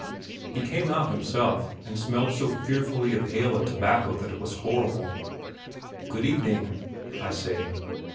He came out himself, and smelt so fearfully of ale and tobacco that it was horrible. "Good evening!" I say.